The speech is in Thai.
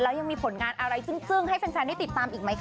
แล้วยังมีผลงานอะไรจึ้งให้แฟนได้ติดตามอีกไหมคะ